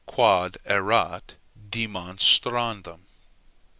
Quod erat demonstrandum.